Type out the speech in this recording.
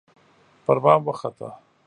پربام وخته